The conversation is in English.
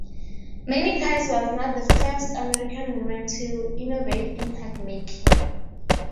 Mary Kies was not the first American woman to innovate in hat-making.